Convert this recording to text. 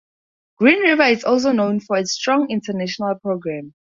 Green River is also known for its strong international program.